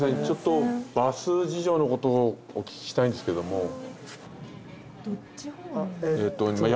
ちょっとバス事情のことお聞きしたいんですけども。